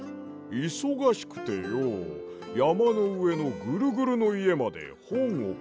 いそがしくてよやまのうえのぐるぐるのいえまでほんをかりにいけないんだわ。